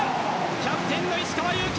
キャプテンの石川祐希